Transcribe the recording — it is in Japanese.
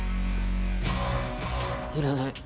いらない。